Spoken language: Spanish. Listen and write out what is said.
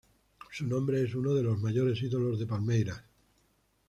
Su nombre es uno de los mayores ídolos de Palmeiras.